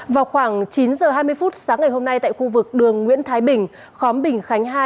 vào khoảng chín h hai mươi phút sáng ngày hôm nay tại khu vực đường nguyễn thái bình khóm bình khánh hai